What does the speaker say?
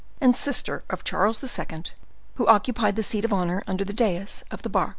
and sister of Charles II., who occupied the seat of honor under the dais of the bark.